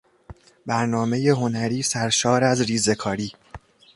برنامهی هنری سرشار از ریزهکاری